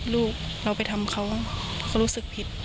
โทรไปถามว่าแม่ช่วยด้วยถูกจับ